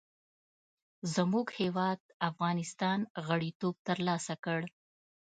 زموږ هېواد افغانستان غړیتوب تر لاسه کړ.